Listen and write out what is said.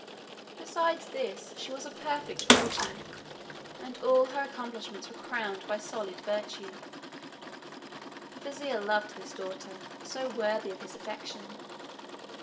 Besides this, she was a perfect beauty, and all her accomplishments were crowned by solid virtue. The vizier loved this daughter, so worthy of his affection.